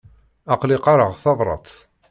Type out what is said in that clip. Aql-i qqareɣ tabrat.